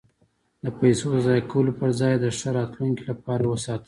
د پیسو د ضایع کولو پرځای یې د ښه راتلونکي لپاره وساتئ.